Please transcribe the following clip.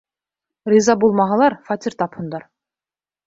Риза булмаһалар, фатир тапһындар!